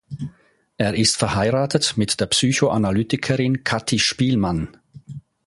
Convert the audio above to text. Er ist verheiratet mit der Psychoanalytikerin Kati Spillmann.